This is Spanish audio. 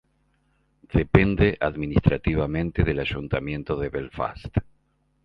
Depende administrativamente del Ayuntamiento de Belfast.